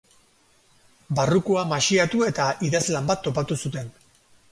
Barrukoa maxiatu eta idazlan bat topatu zuten.